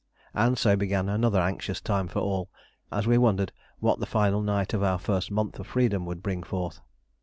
And so began another anxious time for all, as we wondered what the final night of our first month of freedom would bring forth.